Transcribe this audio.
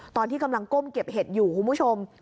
ตอนที่กำลังก้มเก็บเห็ดอยู่คุณผู้ชม